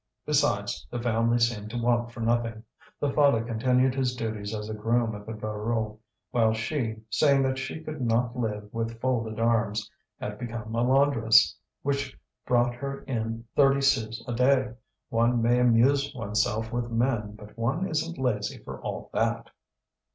Besides, the family seemed to want for nothing; the father continued his duties as a groom at the Voreux while she, saying that she could not live with folded arms, had become a laundress, which brought her in thirty sous a day. One may amuse oneself with men but one isn't lazy for all that.